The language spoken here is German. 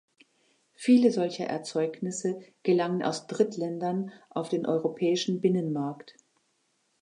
Viele solcher Erzeugnisse gelangen aus Drittländern auf den europäischen Binnenmarkt.